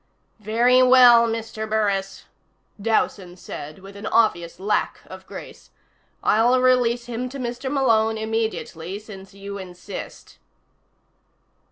"Very well, Mr. Burris," Dowson said with an obvious lack of grace. "I'll release him to Mr. Malone immediately, since you insist."